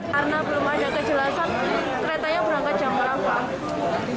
karena belum ada kejelasan keretanya berangkat jam berapa